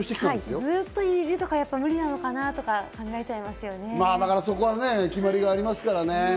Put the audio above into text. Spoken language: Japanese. ずっといるのは無理なのかな決まりがありますからね。